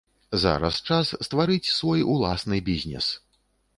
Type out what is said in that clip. Зараз час стварыць свой уласны бізнес.